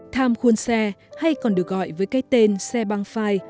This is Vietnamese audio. tham khuôn xe hay còn được gọi với cái tên xe băng file